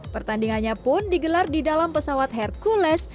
pertandingannya pun digelar di dalam pesawat hercules